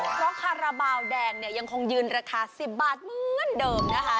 เพราะคาราบาลแดงเนี่ยยังคงยืนราคา๑๐บาทเหมือนเดิมนะคะ